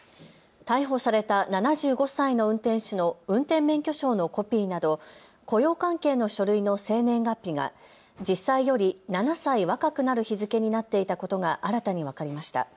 逮捕された７５歳の運転手の運転免許証のコピーなど雇用関係の書類の生年月日が実際より７歳若くなる日付になっていたことが新たに分かりました。